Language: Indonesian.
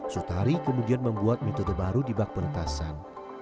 sutari kemudian membuat metode baru di bak penetasan